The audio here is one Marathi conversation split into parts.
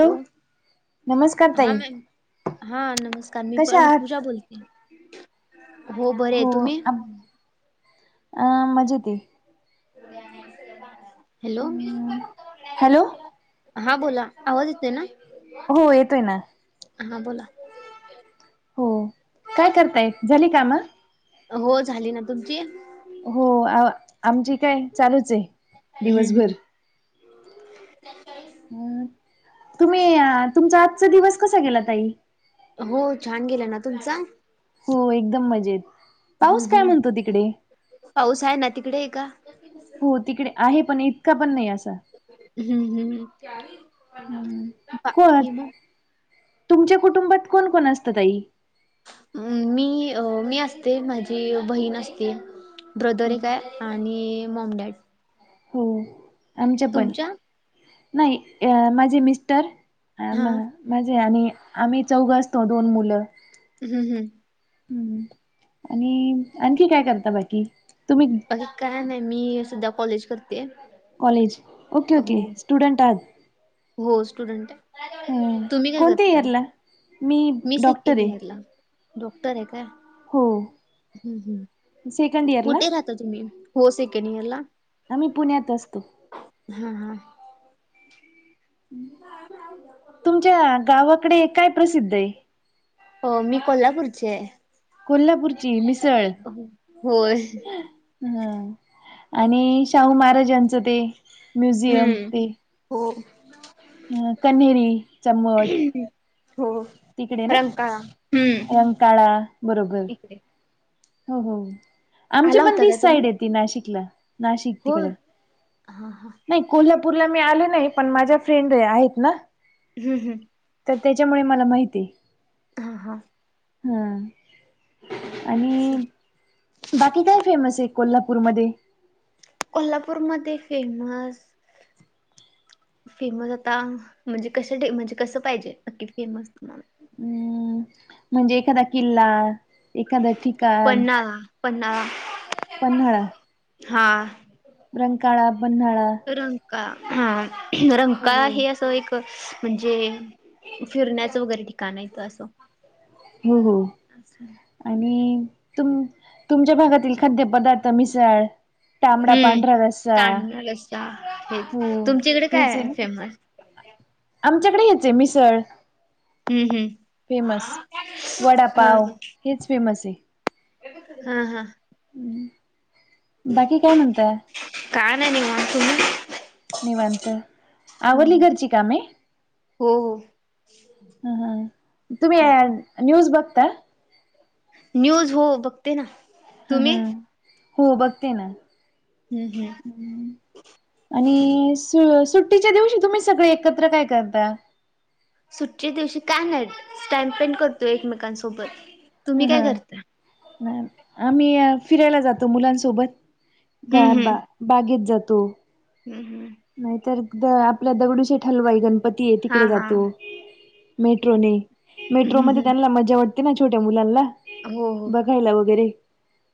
हॅलो नमस्कार हा ताई मॅम हा नमस्कार मी प कशा आहात ऋतूजा बोलते. बरे आहे हो तुम्ही आब अ मजेतय. हॅलो. हॅलो हा बोला आवाज येतोय ना. हो येतोय ना. हां बोला. हो काय करताय झाली काम? हो झाली ना तुमची? हो आ आमची काय चालूच हाय दिवसभर, हम्म. अ तुम्ही तुमचा आजचा दिवस कसा गेला ताई. हो छान गेला ना तुमचा. हो एकदम मजेत हम्म पाऊस काय हम्म. म्हणतो तिकडे. पाऊस आहे ना तिकडे आहे का हो तिकडे आहे पण इतका पण नाही अस, हम्म हम् बाकी को मग. तुमच्या कुटुंबात कोण कोण असतं ताई. मी अ मी असते माझी बहीण असती, ब्रदर एक हाय आणि मॉम डॅड. हो आमच्या पण तुमच्या नाही माझे मिस्टर, हा म्हणजे आणि आम्ही चौघ असतो दोन मुलं. हम् हम् ह् आणि आणखी काय करता बाकी तुम्ही, आणि काय नाही मी सध्या कॉलेज करते. कॉलेज ओके ओके हो. स्टुडंट आहात. हो स्टुडंट हाय. हा कोणत्या ईयरला मी डॉक्टर सेकंड ए. इयरला. डॉक्टर आहे काय हम् हम्म सेकंड इयरला कुठे राहता ता तुम्ही, हो सेकंड ईअरला. आम्ही पुण्यात असतो. हम् हम तुमच्या गावाकडे काय प्रसिद्ध हाय. अ मी कोल्हापूरची हाय. कोल्हापूरची मिसळ, होय. हा आणि शाहू महाराज्यांच ते म्युझियम हम्म ते हो. अ कनेरी चा मट. हो. तिकडे ना रंकाळा. हम्म. रंगकाळा बरोबर. इकडे. हो हो आमची आला पण होता का तीच तुम्ही? साईड येती नाशिकला. नाशिक तिकड. होय. हा हा. नाही कोल्हापूरला मी आले नाही पण माझ्या फ्रेंड आहेत ना. हम् हम्. तर त्याच्यामुळे मला माहिती आहे. ह हां. हा आणि, बाकी काय फेमस आहे कोल्हापूरमध्ये. कोल्हापूरमध्ये फेमस, फेमस आता म्हणजे कशा टाइ कश म्हणजे कसं पाहिजे नक्की फेमस तुम्हाला. हम्म म्हणजे एखादा किल्ला. एखाद्या ठिकाण पन्हाळा पन्हाळा पन्हाळा. हा रंकाळा पन्हाळा. रंका हा हो रंकाळा हो. हे अस एक म्हणजे फिरण्याच वगैरे ठिकाण येत असं हो हो आणि तुम तुमच्या भागातील खाद्यपदार्थ मिसाळ. तांबडा पांढरा रस्सा. हा हेच हो तुमच्याकडे काय हेच आहे हाय ना फेमस. आमच्याकडे हेच आहे मिसळ. हम्म हम्म फेमस हा वडापाव हा हेच फेमस आहे. हा हा बाकी काय म्हणतात. काय नाही निवांत तुम्ही, निवांत आवली हम्म घरची कामे. हो हो. ह हा तुम्ही आ न्यूज बघता. न्यूज हो बघ हम हम हो बघते ना. हम्म हम् आणि सु सुट्टीच्या दिवशी तुम्ही सगळे एकत्र काय करता. सुटच्या दिवशी का नाही टाइम स्पेंड करतो एकमेकांसोबत. ह तुम्ही हा काय करता आम्ही फिरायला जातो मुलांसोबत. गा बा बागेत जातो. हम् हम्म. नाहीतर द आपल्या दगडूशी हलवाई गणपती आहे हा तिकडे हा जातो. मेट्रोने हम्म मेट्रोमध्ये हम्म त्यांना मजा वाटते ना छोट्या मुलांला. हो हो बघायला वगैरे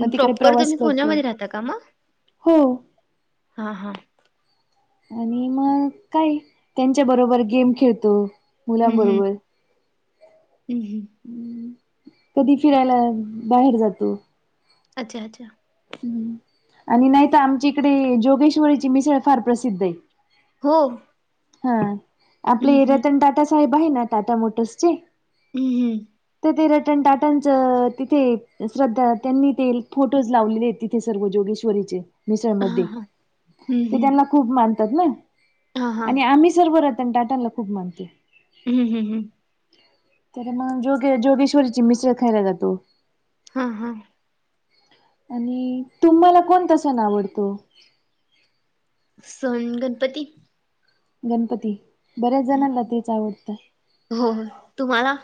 मग तिकडे प्रॉपर प्रवास तुम्ही करतो. पुण्यामध्ये राहता का मग हो. हा हा. आणि मग काय त्यांच्या बरोबर गेम खेळतो मुलांबरोबर. हम् ह. कधी फिरायला बाहेर जातो. अच्छा अच्छा. आणि नाहीत आमच्या इकडे जोगेश्वरीची मिसळ फार प्रसिद्ध आहे. हो. हा आपले हम्म हम्म रतन टाटा साहेब आहे ना टाटा मोटर्सचे. हम् हम्म. तर ते रटन टाटाच तिथे श्रद्धा त्यांनी ते फोटोज लावलेले तिथे सर्व जोगेश्वरीचे मिसळ हा मध्ये हा हम्म ते हम्म त्यांना खूप मानतात ना हा हा आणि आम्ही सर्व रतन टाटनला खूप मानतो. हम् हम हम. तर मग जोगे जोगेश्वरीची मिसळ खायला जातो. हा हा. आणि तुम्हाला कोणता सण आवडतो. सन गणपती. गणपती बऱ्याच हं. जणांना तेच आवडतं. हो तुम्हाला.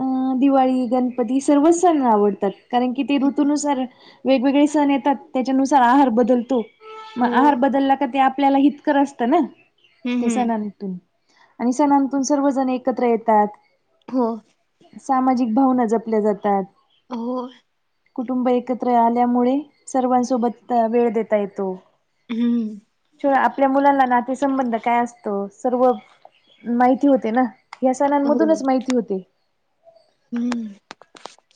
अं दिवाळी गणपती सर्वच सण आवडतात कारण की ते ऋतनुसार वेगवेगळे सण येतात त्याच्यानुसार आहार बदलतो मग हो आहार बदलला का ते आप आपल्याला हितकर असतं ना हम्म ते हम्म सनांतून. आणि सणांतून सर्वजण एकत्र येतात. हो. सामाजिक भावना जपल्या जातात हो कुटुंब एकत्र आल्यामुळे सर्वांसोबत वेळ देता येतो हम्म च आपल्या मुलांना नातेसंबंध काय असत त सर्व माहिती होते ना या हो सणांमधूनच माहिती होते हम्म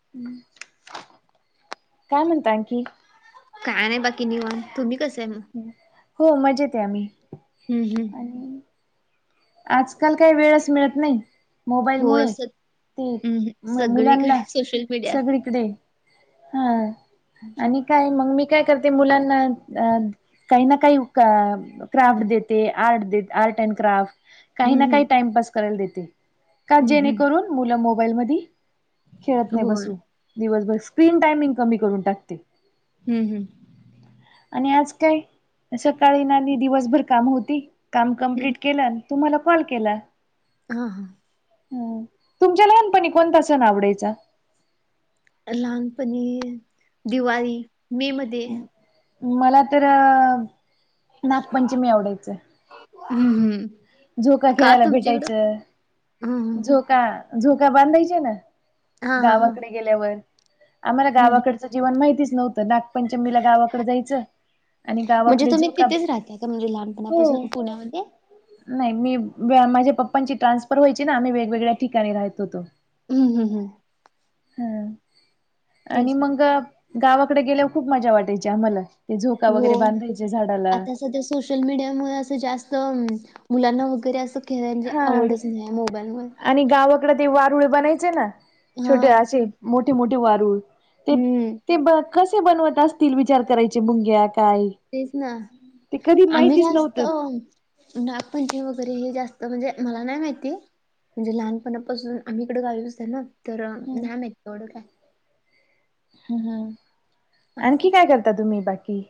[inaudible] काय म्हणताय आणखी काय नाही बाकी निवांत तुम्ही कसे आहे हो मजेत आहे आम्ही हम्म हम्म आणि आजकाल काही वेळच मिळत नाही मोबाईल हो मुळे स ते हम्म सगळीकडे मुलांना सोशल मीडिया सगळीकडे हा आणि काय मग मी काय करते मुलांना अ काही ना काही क्राफ्ट देते आर्ट देत आर्ट अँड क्राफ्ट काही हम्म ना काही हम्म टाइमपास करायला देते का हम्म हम्म जेणेकरून मुलं मोबाईल मधी खेळत नाही होय बसू दिवसभर स्क्रीन टायमिंग कमी करून टाकते ह, ह आणि आज काय सकाळी ना दिवसभर काम होती काम हम्म कंम्प्लीट केलं तुम्हाला कॉल केला हां हं तुमच्या लहानपणी कोणता सण आवडायचा? लहानपणी दिवाळी मे मध्ये मला तर नागपंचमी आवडायचं ह, ह झोका खेळायला भेटायचं हम्म झो का झोका बांधायचे ना हा हा हा गावाकडे गेल्यावर आम्हाला हम्म गावाकडचं जीवन माहितीच नव्हतं नागपंचमीला गावाकडं जायचं आणि म्हणजे गावाकडे तुम्ही झोका तिथेच राहताय का म्हणजे हो लहानपणापासून पुण्यामध्ये नाही मी माझ्या पप्पांची ट्रान्सफर व्हायची ना आम्ही वेगवेगळ्या ठिकाणी राहत होतो ह, ह, ह हम्म आणि तेच ना. मंग गावाकडे गेल्यावर खूप मजा वाटायची आम्हाला ते झोका हो वगैरे बांधायचे झाडाला आता सोशल मीडियामुळे जास्त मुलांना वगैरे असं खेळांची हा आवडच नाही मोबाईल मूळ इकड ते वारूळ बनायचे ना हा छोटे असे मोठे, मोठे वारूळ ते, हम्म ते ब कसे बनवत असतील विचार करायचे मुंग्या काय? तेच ना ते कधी आम्ही माहितीच जास्त नव्हतं. नागपंचमी वगैरे हे जास्त म्हणजे मला नाही माहिती म्हणजे लहानपणापासून आम्ही इकडं गावी असतं ना तर हम्म नाही माहित एवढं काय ह, ह असं. आणखी काय करता तुम्ही बाकी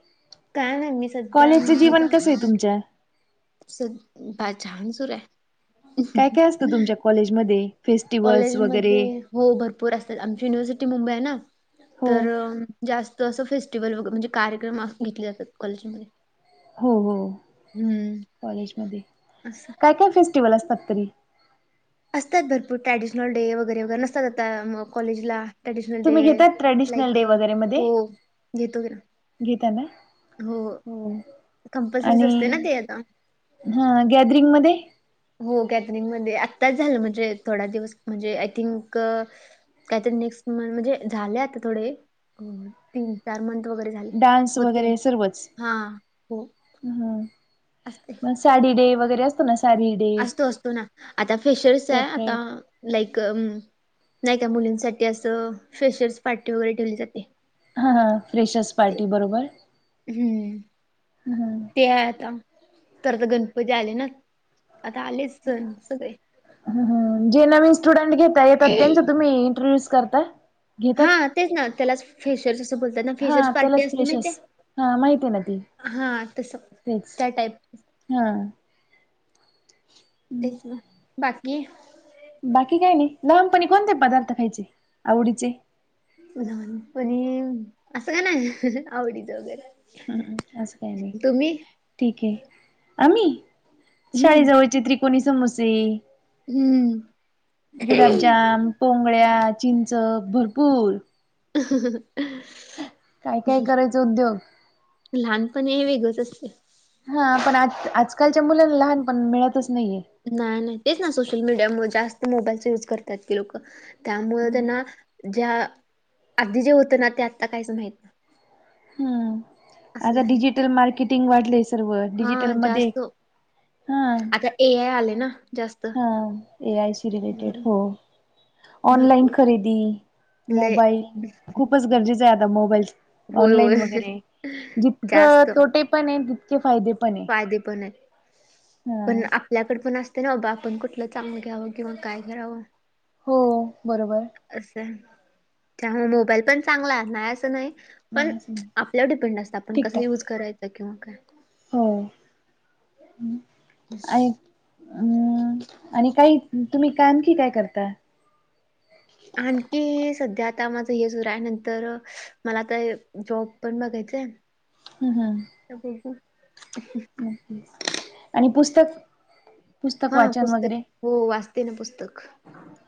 काय नाही मी सध्या कॉलेजच जीवन कसंय आहे तुमच्या असच छान सुरुय काय काय असतं तुमच्या कॉलेजमध्ये फेस्टिव्हलस् वगैरे कॉलेजमध्ये हो भरपूर असतात आमची युनिव्हर्सिटी मुंबई आहे ना हो तर जास्त असं फेस्टिवल व ग म्हणजे कार्यक्रम घेतले जातात कॉलेजमध्ये हो, हो हम्म कॉलेज मध्ये असं. काय, काय फेस्टिवल असतात तरी असतात भरपूर ट्रॅडिशनल डे वगैरे वगैरे नसतात आता कॉलेजला ट्रॅडिशनल डे तुम्ही घेतात ट्रॅडिशनल लाईक डे वगैरे मध्ये हो गेटटुगे घेता ना हो कंम्पलसरीच असते ना ते आता हां गॅदरिंग मध्ये हो गॅदरिंगमध्ये आत्ताच झालं म्हणजे थोडया दिवस म्हणजे आय थिंक काहीतरी नेक्स्ट म म्हणजे झाले आता थोडे अं तीन-चार मंंथ वगैरे झाले डान्स होते वगैरे सर्वच. हां हो हं असते मग साडी डे वगैरे असतो ना साडी डे असतो असतो ना आता फेशर्स चा आहे आता सेपरेट. लाईक नाही का मुलींसाठी असं फेशर्स पार्टी वगैरे ठेवली जाते. हा हा फ्रेशर्स ते पार्टी बरोबर. हम्म हम्म ते आहे आता तर आता गणपती आले ना आता आलेच सण सगळे हां हां जे नवीन स्टुडंट घेता येतात त्यांच तुम्ही इंट्रोड्युस करता घेतात हां तेच ना त्यालाच फ्रेशर्स असं बोलतात ना हा फ्रेशर्स पार्टी त्यालाच असते फ्रेशर्स माहितेय हा माहिती आहे ना ती हां तसं त्या टाईप हां [inaudible] तेच ना बाकी बाकी काय नाही लहानपणी कोणते पदार्थ खायचे आवडीचे. पनीर असं काय नाय आवडीचं वगैरे. हम असं काही नाही. तुम्ही ठीक आहे. आम्ही हम्म शाळेजवळचे त्रिकोणी समोसे. हम्म गुलाबजाम, पोंगळ्या, चिंच भरपूर ह काय काय करायचं उद्योग. लहानपणी हे वेगळंच असते. हा पण आज आजकालच्या मुलांना लहानपण मिळतच नाहीये. नाही नाही तेच ना सोशल मीडिया मुळे जास्त मोबाईलच युज करतात की लोक त्यामुळ त्यांना ज्या आधी जे होतं ना ते आता काहीच माहित ना हम्म आता डिजिटल मार्केटिंग वाढलेय सर्व डिजिटल हा मध्ये जास्त हा, आता ए आय आले ना जास्त हा, ए आय शी रिलेटेड त्यामुळे हो. ऑनलाईन भरपूर खरेदी लय मोबाईल खूप खूपच गरजेच आहे आता मोबाईल होय होय ऑनलाईन वगैरे जितकं जास्त तोटे पण आहे ते फायदे पण आहे फायदे पण आहेत. हा पण आप आपल्याकड पण असते ना बाबा आपण कुठलं चांगलं घ्यावं किंवा काय करावं. हो बरोबर. असं त्यामुळे मोबाईल पण चांगला नाही असं नाही. पण नाही असं नाही आपल्यावर डिपेंड असतं आपण कसं ठीकठाक युज करायचं किंवा काय. हो ऐक हम्म आणि काही तुम्ही काय आणखी काय करता. आणखी सध्या आता माझं हे सुर आहे, नंतर मला आता जॉब पण बघायचंय. [inaudible] हम् हम अ [unintelligible] ओक आणि पुस्तक पुस्तक हा वाचन पुस्तक वगैरे हो वाचते ना पुस्तक.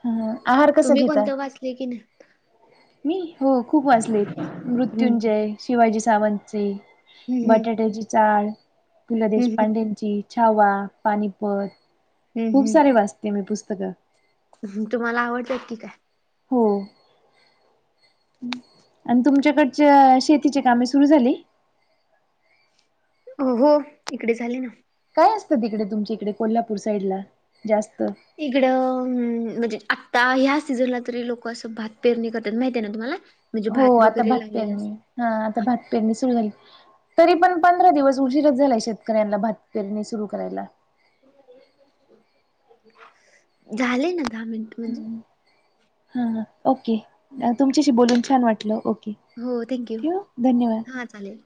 हं हं आहार कसा तुम्ही घेता? कोणतं वाचले की नाही? मी हो खूप वाचले हम्म मृत्युंजय, शिवाजी सावंतचे. हम्म हम्म बटाट्याची चाळ, पु. ल हम्म देशपांडे ची... छावा, पानिपत खूप... हम्म सारे वाचते मी पुस्तकं. तुम्हाला आवडतात की काय? हो [inaudible] आणि तुमच्याकडचं शेतीची कामं सुरु झाली? अ... हो इकडे झाली ना काय असतं तिकडे... तुमच्या इकडे, कोल्हापूर साईडला जास्त इकडं... म्हणजे, आत्ता ह्या सीझनला तरी... लोकं असं भात पेरणी करतात... माहती आहे ना तुम्हाला? म्हणजे हो... आता वगैरे भात लागलेला पेरणी... असतो. हा... आता भात पेरणी सुरू झाली तरी पण... पंधरा दिवस... उशीरच झालाय... शेतकऱ्यांना, भात पेरणी सुरू करायला झालेय ना... दहा मिनिटं... म्हणजे हं हं... ओके... तुमच्याशी बोलून... छान वाटलं, ओके हो... थँक यू. ठेवू धन्यवाद. हा चालेल